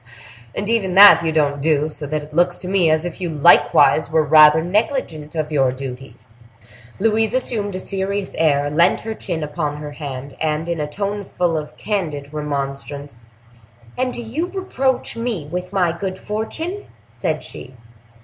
And even that you don't do; so that it looks to me as if you likewise were rather negligent of your duties!" Louise assumed a serious air, leant her chin upon her hand, and, in a tone full of candid remonstrance, "And do you reproach me with my good fortune?" said she.